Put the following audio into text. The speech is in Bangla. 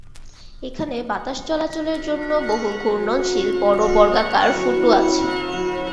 এখানে বাতাস চলাচলের জন্য বহু ঘূর্ণনশীল বড়ো বর্গাকার ফুটো আছে।